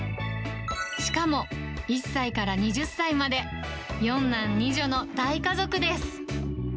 しかも１歳から２０歳まで４男２女の大家族です。